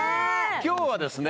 今日はですね